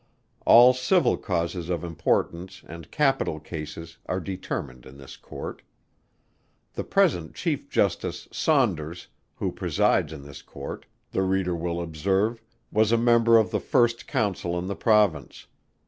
All civil causes of importance and capital cases are determined in this Court. The present Chief Justice SAUNDERS, who presides in this Court, the reader will observe, was a Member of the first Council in the Province.